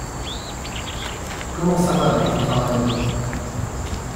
Comment ça va avec le travail ?